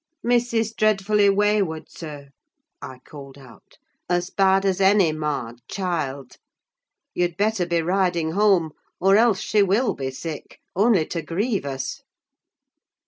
"Miss is dreadfully wayward, sir," I called out. "As bad as any marred child: you'd better be riding home, or else she will be sick, only to grieve us."